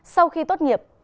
sau khi tốt nghiệp